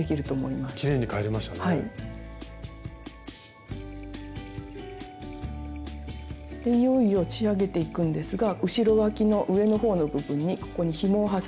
いよいよ仕上げていくんですが後ろわきの上のほうの部分にここにひもを挟みます。